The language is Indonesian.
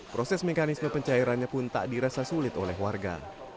proses mekanisme pencairannya pun tak dirasa sulit oleh warga